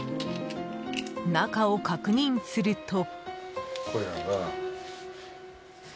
中を確認すると。